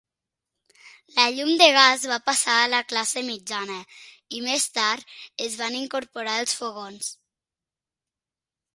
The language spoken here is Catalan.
La llum de gas va passar a la classe mitjana i, més tard, es van incorporar els fogons.